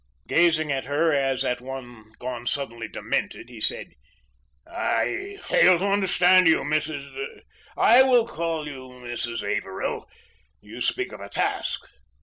Gazing at her as at one gone suddenly demented, he said: "I fail to understand you, Mrs. I will call you Mrs. Averill. You speak of a task.